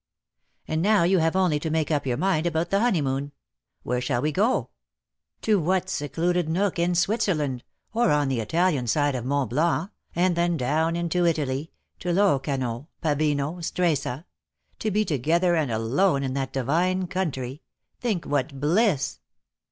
"And now you have only to make up your mind about the honeymoon. Where shall we go? To what secluded nook in Switzerland — or on the Italian side of Montblanc, and then down into Italy, to Locano, Baveno, Stresa. To be together and alone in that divine country! Think what bliss!"